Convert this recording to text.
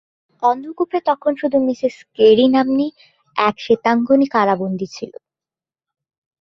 অন্ধকূপে তখন শুধু Mrs Kerry নাম্নী এক শ্বেতাঙ্গিনী কারাবন্দি ছিল।